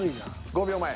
５秒前。